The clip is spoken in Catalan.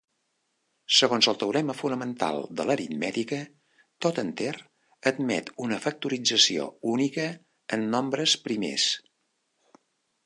Segons el teorema fonamental de l'aritmètica, tot enter admet una factorització única en nombres primers.